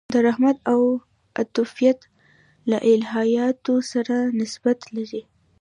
د رحمت او عطوفت له الهیاتو سره نسبت لري.